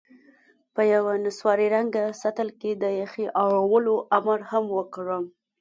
په یوه نسواري رنګه سطل کې د یخې راوړلو امر هم وکړم.